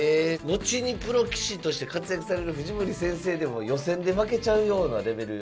後にプロ棋士として活躍される藤森先生でも予選で負けちゃうようなレベル。